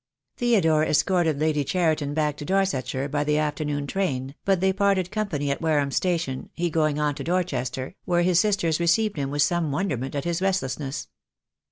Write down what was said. Theodore escorted Lady Cheriton back to Dorsetshire by the afternoon train, but they parted company at Ware ham Station, he going on to Dorchester, where his sisters received him with some wonderment at his restlessness.